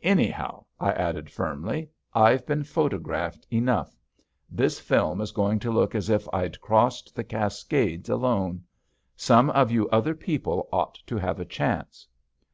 Anyhow," I added firmly, "I've been photographed enough. This film is going to look as if I'd crossed the Cascades alone. Some of you other people ought to have a chance."